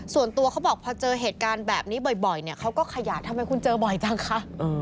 ส่วนตัวเขาบอกพอเจอเหตุการณ์แบบนี้บ่อยเนี่ยเขาก็ขยะทำไมคุณเจอบ่อยจังคะ